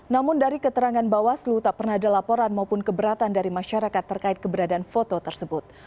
namun dari keterangan bawaslu tak pernah ada laporan maupun keberatan dari masyarakat terkait keberadaan foto tersebut